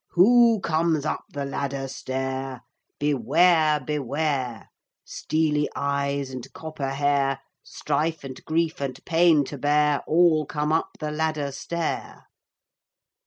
Who comes up the ladder stair? Beware, beware, Steely eyes and copper hair Strife and grief and pain to bear All come up the ladder stair.